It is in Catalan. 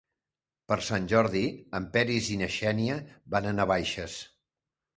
Per Sant Jordi en Peris i na Xènia van a Navaixes.